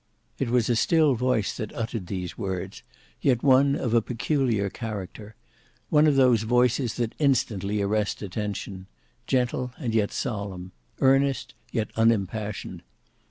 It was a still voice that uttered these words, yet one of a peculiar character; one of those voices that instantly arrest attention: gentle and yet solemn, earnest yet unimpassioned.